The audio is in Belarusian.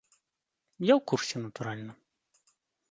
Я ў курсе, натуральна.